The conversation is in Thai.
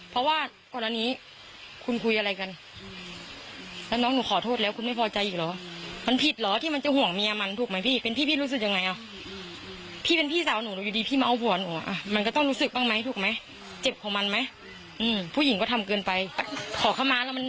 มันรักมึงแค่ไหนมันเคยทำร้ายมึงสักครั้งไหมแต่มึงทำร้ายมัน